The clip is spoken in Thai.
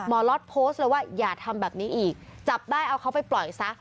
ล็อตโพสต์เลยว่าอย่าทำแบบนี้อีกจับได้เอาเขาไปปล่อยซะ